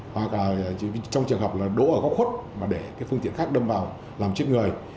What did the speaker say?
hoặc trong trường hợp đỗ ở góc khuất để phương tiện khác đâm vào làm chết người